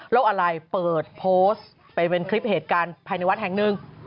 ออนไลน์เปิดโพสต์ไปเป็นคลิปเหตุการณ์ภายในวัดแห่งหนึ่ง